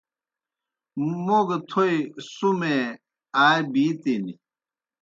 موْ گہ تھوئے سُمے آ بِتِن۔